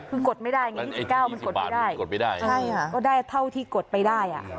คือกดไม่ได้ไงยี่สิบเก้ามันกดไม่ได้ก็ได้เท่าที่กดไปได้อ่ะ